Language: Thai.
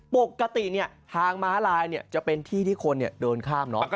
ปกติเนี้ยทางม้าลายเนี้ยจะเป็นที่ที่คนเนี้ยเดินข้ามเนอะ